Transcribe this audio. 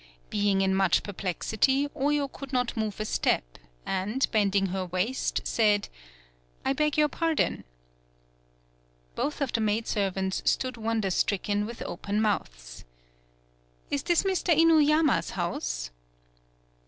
Being in much perplexity Oyo could not move a step, and bending her waist, said: "I beg your pardon." Both of the maidservants stood won der stricken with open mouths. "Is this Mr. Inuyama's house?"